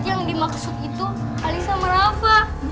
yang dimaksud itu ali sama rafa